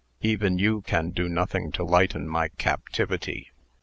Even you can do nothing to lighten my captivity.